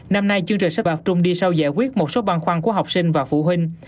năm nay chương trình sẽ tập trung đi sau giải quyết một số băng khoăn của học sinh và phụ huynh